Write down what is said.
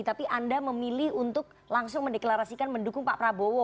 tapi anda memilih untuk langsung mendeklarasikan mendukung pak prabowo